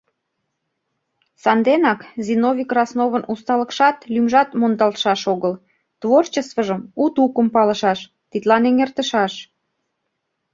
Санденак Зиновий Красновын усталыкшат, лӱмжат мондалтшаш огыл, творчествыжым у тукым палышаш, тидлан эҥертышаш.